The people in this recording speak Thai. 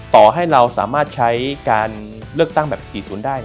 ต่อให้เราสามารถใช้การเลือกตั้งแบบ๔๐ได้